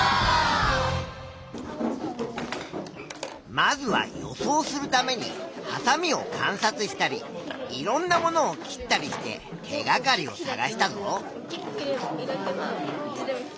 まずは予想するためにはさみを観察したりいろんなものを切ったりして手がかりを探したぞ。